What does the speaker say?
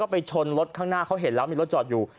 ไปชนรถข้างหน้าเขาเห็นแล้วมีรถจอดอยู่